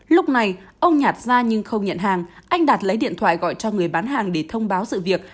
lúc này ông nhạt ra nhưng không nhận hàng anh đạt lấy điện thoại gọi cho người bán hàng để thông báo sự việc